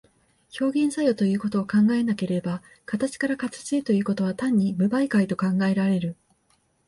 表現作用というものを考えなければ、形から形へということは単に無媒介と考えられる。